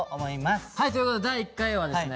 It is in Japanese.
ということで第１回はですね